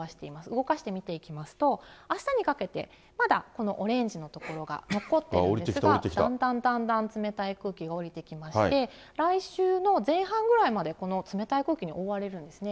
動かして見ていきますと、あしたにかけて、まだオレンジの所が残っている所が、だんだんだんだん、冷たい空気が降りてきまして、来週の前半ぐらいまでこの冷たい空気に覆われるんですね。